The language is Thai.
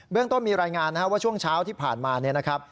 เรื่องต้นมีรายงานนะครับว่าช่วงเช้าที่ผ่านมาเนี่ยนะครับ